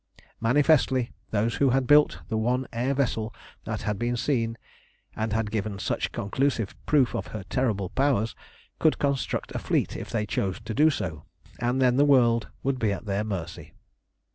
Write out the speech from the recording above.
Manifestly those who had built the one air vessel that had been seen, and had given such conclusive proof of her terrible powers, could construct a fleet if they chose to do so, and then the world would be at their mercy.